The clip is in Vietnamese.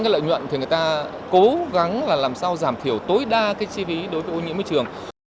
nếu có lợi nhuận thì người ta cố gắng làm sao giảm thiểu tối đa cái chi phí đối với ô nhiễm môi trường